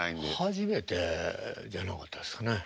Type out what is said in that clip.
初めてじゃなかったですかね。